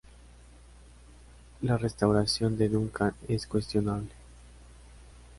La restauración de Duncan es cuestionable.